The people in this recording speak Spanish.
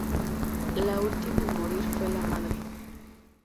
La última en morir fue la madre.